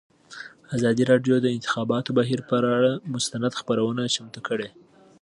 ازادي راډیو د د انتخاباتو بهیر پر اړه مستند خپرونه چمتو کړې.